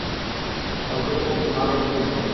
অন্ততপক্ষে মা বেঁচে থাকবে।